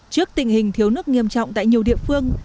trước tình hình thiếu nước nghiêm trọng tại nhiều địa phương